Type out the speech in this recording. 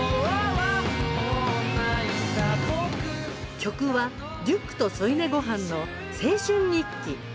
曲は、リュックと添い寝ごはんの「青春日記」。